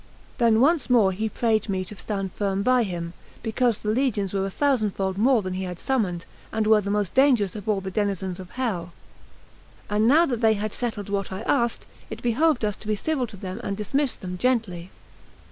Then once more he prayed me to stand firm by him, because the legions were a thousandfold more than he had summoned, and were the most dangerous of all the denizens of hell; and now that they had settled what I asked, it behoved us to be civil to them and dismiss them gently.